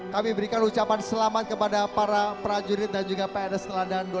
kami berikan ucapan selamat kepada para prajurit dan juga pns teladan dua ribu